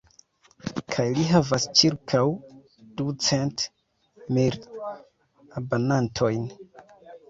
Kaj li havas ĉirkaŭ ducent mil abonantojn.